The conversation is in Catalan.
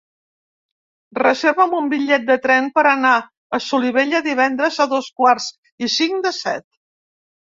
Reserva'm un bitllet de tren per anar a Solivella divendres a dos quarts i cinc de set.